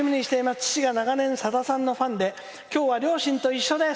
父が長年、さださんのファンで今日は両親と一緒です。